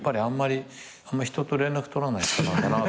あんまり人と連絡取らない人なのかな。